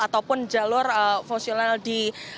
ataupun jalur fungsional di